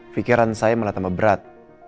pikiran saya malah tambah berat